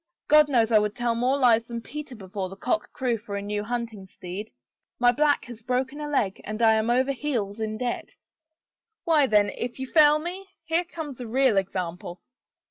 " God knows I would tell onore lies than Peter before the cock crew for a new hunting steed.^ My black has broken a leg and I am over heels in debt." 63 « it THE FAVOR OF KINGS "Why, then, if you fail me, here comes a real ex ample."